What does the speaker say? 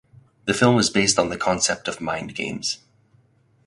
The film is based on the concept of mind games.